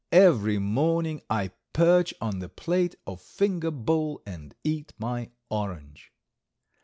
Every morning I perch on the plate or finger bowl and eat my orange.